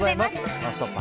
「ノンストップ！」